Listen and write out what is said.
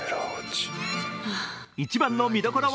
一番の見どころは